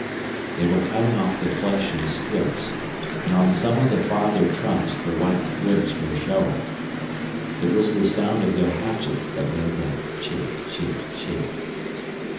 They were cutting off the flesh in strips, and on some of the farther trunks the white ribs were showing. It was the sound of their hatchets that made that chid, chid, chid.